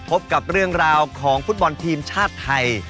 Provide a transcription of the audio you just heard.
พบกับเรื่องราวของฟุตบอลทีมชาติไทย